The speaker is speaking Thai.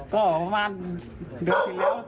ก็ประมาณ